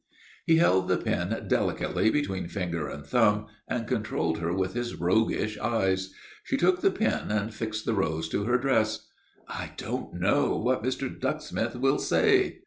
He held the pin delicately between finger and thumb, and controlled her with his roguish eyes. She took the pin and fixed the rose to her dress. "I don't know what Mr. Ducksmith will say."